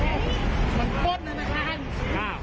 มันป้นแล้วนะครับ